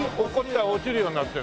落ちるようになってる。